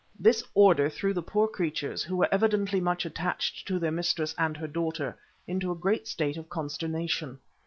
This order threw the poor creatures, who were evidently much attached to their mistress and her daughter, into a great state of consternation.